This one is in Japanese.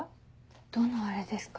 どの「アレ」ですか？